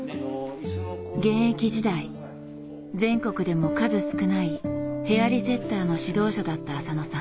現役時代全国でも数少ないヘアリセッターの指導者だった浅野さん。